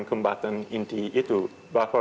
kembatan inti itu bahwa